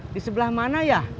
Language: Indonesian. di sebelah mana ya